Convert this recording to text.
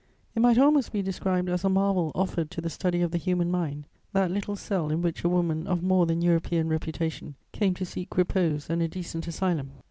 "It might almost be described as a marvel offered to the study of the human mind, that little cell in which a woman of more than European reputation came to seek repose and a decent asylum.